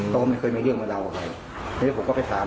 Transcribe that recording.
ก็ไม่เคยมีเรื่องมาเดาของใคร